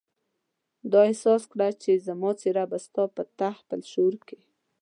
ما احساس کړه چې زما څېره به ستا په تحت الشعور کې.